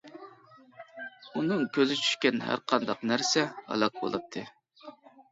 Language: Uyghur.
ئۇنىڭ كۆزى چۈشكەن ھەرقانداق نەرسە ھالاك بولاتتى.